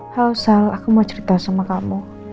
halo sal aku mau cerita sama kamu